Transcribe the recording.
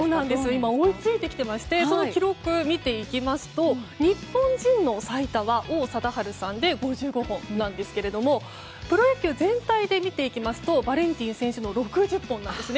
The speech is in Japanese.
今、追いついてきてましてその記録を見ていきますと日本人の最多は王貞治さんで５５本なんですがプロ野球全体で見ますとバレンティン選手の６０本です。